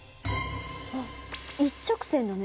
あっ一直線だね。